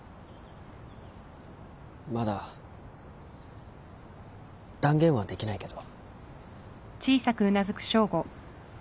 まだ断言はできないけど。